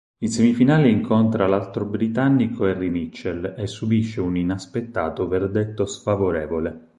In semifinale incontra l'altro britannico Harry Mitchell e subisce un inaspettato verdetto sfavorevole.